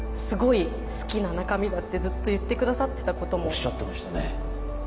おっしゃってましたね。